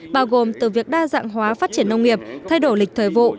bao gồm từ việc đa dạng hóa phát triển nông nghiệp thay đổi lịch thời vụ